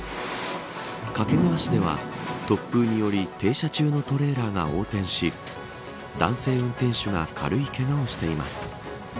掛川市では突風により停車中のトレーラーが横転し男性運転手が軽いけがをしています。